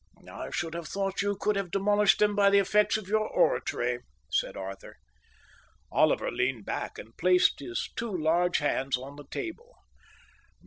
"I should have thought you could have demolished them by the effects of your oratory," said Arthur. Oliver leaned back and placed his two large hands on the table.